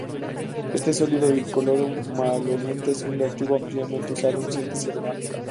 Este sólido incoloro, maloliente, es un reactivo ampliamente usado en síntesis orgánica.